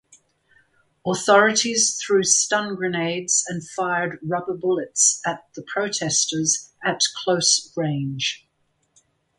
Authorities threw stun grenades and fired rubber bullets at the protesters at close range.